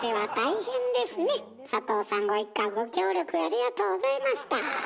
佐藤さんご一家ご協力ありがとうございました。